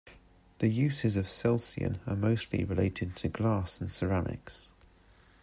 The uses of celsian are mostly related to glass and ceramics.